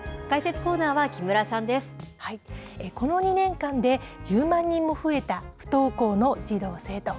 この２年間で、１０万人も増えた不登校の児童・生徒。